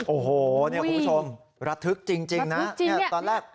โอ้โหเนี่ยคุณผู้ชมระทึกจริงจริงนะระทึกจริงเนี่ยเนี่ยตอนแรก